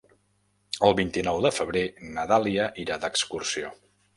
El vint-i-nou de febrer na Dàlia irà d'excursió.